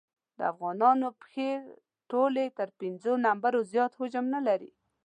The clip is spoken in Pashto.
د افغانانو پښې ټولې تر پېنځو نمبرو زیات حجم نه لري.